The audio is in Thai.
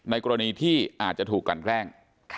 กรณีที่อาจจะถูกกันแกล้ง